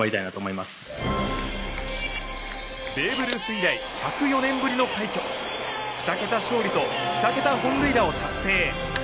ベーブ・ルース以来１０４年ぶりの快挙２桁勝利と２桁本塁打を達成